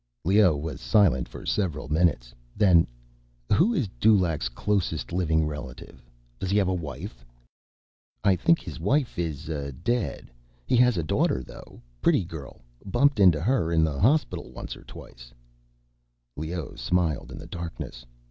Leoh was silent for several minutes. Then: "Who is Dulaq's closest living relative? Does he have a wife?" "I think his wife is, uh, dead. Has a daughter though. Pretty girl. Bumped into her in the hospital once or twice—" Leoh smiled in the darkness.